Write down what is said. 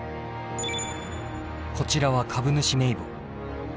こちらは株主名簿。